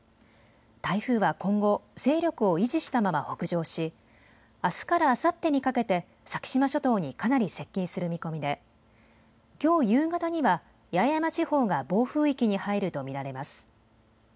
台風は今後、勢力を維持したまま北上しあすからあさってにかけて先島諸島にかなり接近する見込みできょう夕方には八重山地方が暴風域に入ると見られます。